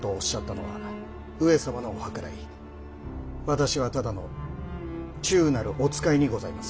私はただの忠なるお使いにございます。